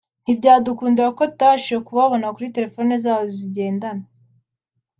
ntibyadukundira kuko tutabashije kubabona kuri telefone zabo zigendanwa